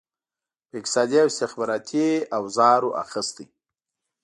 په اقتصادي او استخباراتي اوزارو اخیستي.